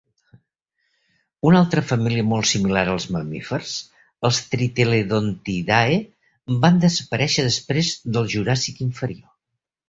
Una altra família molt similar als mamífers, els Tritheledontidae, van desaparèixer després del Juràssic Inferior.